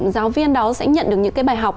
giáo viên đó sẽ nhận được những cái bài học